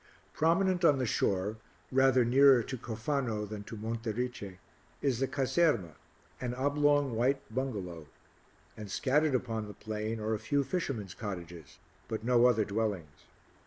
Prominent on the shore, rather nearer to Cofano than to Monte Erice, is the caserma, an oblong white bungalow, and scattered upon the plain are a few fishermen's cottages, but no other dwellings.